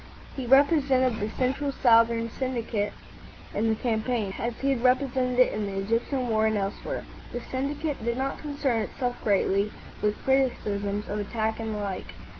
He represented the Central Southern Syndicate in the campaign, as he had represented it in the Egyptian war, and elsewhere. The syndicate did not concern itself greatly with criticisms of attack and the like.